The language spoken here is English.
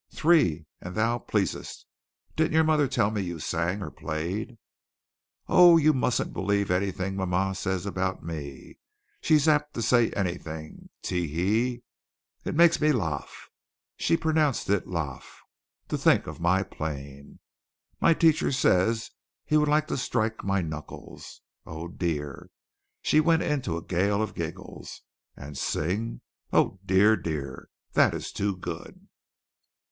"Three an thou pleasest. Didn't your mother tell me you sang or played?" "Oh, you mustn't believe anything ma ma´ says about me! She's apt to say anything. Tee! Hee! It makes me laugh" she pronounced it laaf "to think of my playing. My teacher says he would like to strike my knuckles. Oh, dear!" (She went into a gale of giggles.) "And sing! Oh, dear, dear! That is too good!"